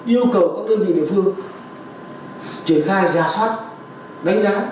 yêu cầu các đơn vị địa phương triển khai giả soát đánh giá